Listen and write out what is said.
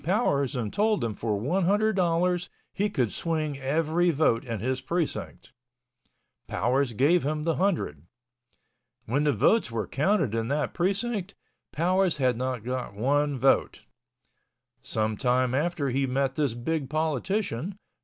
Powers and told him for one hundred dollars he could swing every vote in his precinct. Powers gave him the hundred. When the votes were counted in that precinct, Powers had not got one vote. Some time after he met this big politician.